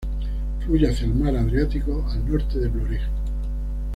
Fluye hacia el mar Adriático, al norte de Vlorë.